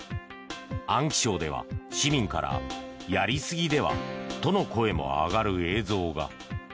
安徽省では市民からやりすぎではとの声も上がる映像が。